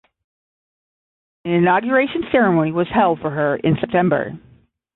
An inauguration ceremony was held for her in September.